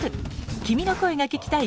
君の声が聴きたい。